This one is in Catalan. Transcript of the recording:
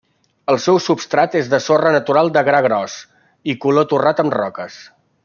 El seu substrat és de sorra natural de gra gros i color torrat amb roques.